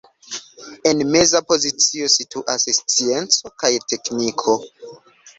En meza pozicio situas scienco kaj tekniko.